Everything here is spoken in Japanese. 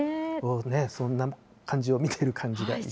そんな感じを見てる感じがいたし